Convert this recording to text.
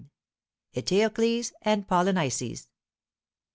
ETEOCLES AND POLYNICES.